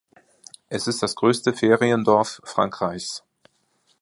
Es ist das größte Feriendorf Frankreichs.